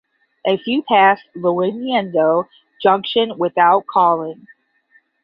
A few passed Llandudno Junction without calling.